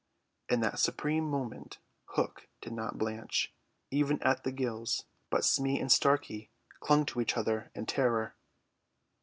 In that supreme moment Hook did not blanch, even at the gills, but Smee and Starkey clung to each other in terror.